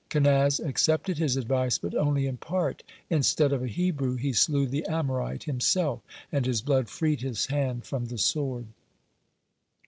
Kenaz accepted his advice, but only in part: instead of a Hebrew, he slew the Amorite himself, and his blood freed his hand from the sword.